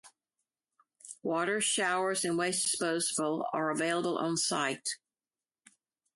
Water, showers and waste disposal are available on site.